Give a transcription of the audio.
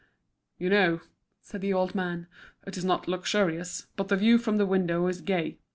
"You know," said the old man, "it is not luxurious, but the view from the window is gay.